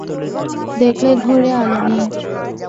দেখলে ঘরে আলো নেই।